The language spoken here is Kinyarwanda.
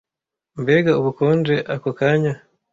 mbega ubukonje ako kanya